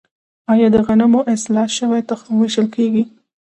آیا د غنمو اصلاح شوی تخم ویشل کیږي؟